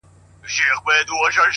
هم له خپلو هم پردیو را جلا وه -